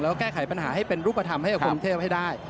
แล้วแก้ไขปัญหาให้เป็นรูปธรรมให้กับกรุงเทพให้ได้